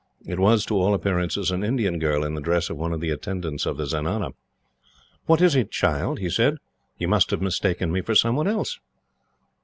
It was, to all appearance, an Indian girl in the dress of one of the attendants of the zenana. "What is it, child?" he said. "You must have mistaken me for someone else."